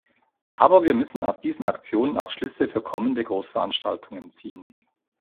Aber wir müssen aus diesen Aktionen auch Schlüsse für kommende Großveranstaltungen ziehen.